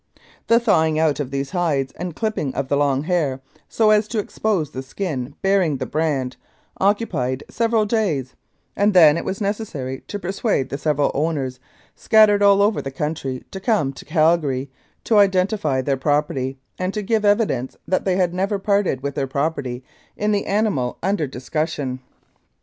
The thawing out of these hides and the clipping of the long hair, so as to expose the skin bearing the brand, occupied several days, and then it was necessary to persuade the several owners, scattered all over the country, to come to Calgary to identify their property and to give evidence that they had never parted with their property in the animal under discussion.